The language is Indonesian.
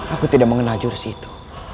aku tidak mengenal jurus itu